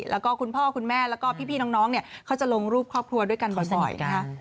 แล้วก็คุณพ่อคุณแม่แล้วก็พี่น้องเนี่ยเขาจะลงรูปครอบครัวด้วยกันบ่อยนะคะ